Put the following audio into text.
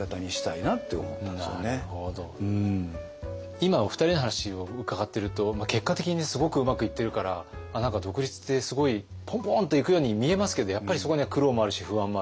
今お二人の話を伺ってると結果的にすごくうまくいってるから何か独立ってすごいポンポンといくように見えますけどやっぱりそこには苦労もあるし不安もある。